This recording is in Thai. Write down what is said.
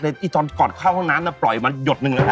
แต่ตอนกอดเข้าข้างน้ำปล่อยมันหยดหนึ่งแล้วค่ะ